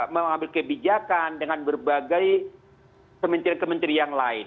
mengambil kebijakan dengan berbagai kementerian kementerian lain